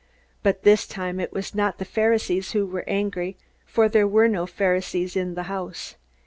But this time it was not the Pharisees who were angry, for there were no Pharisees in the house.